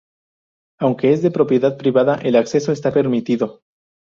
Aunque es de propiedad privada, el acceso está permitido.